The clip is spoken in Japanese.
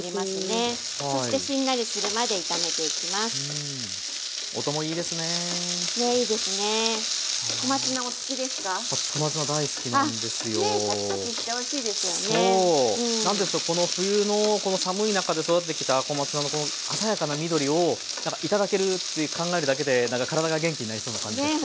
何ていうんですか冬のこの寒い中で育ってきた小松菜のこの鮮やかな緑をなんか頂けるって考えるだけでからだが元気になりそうな感じですね。